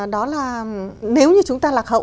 đó là nếu như chúng ta lạc hậu